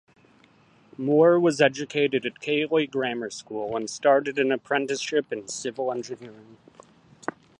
Moore was educated at Keighley Grammar School and started an apprenticeship in civil engineering.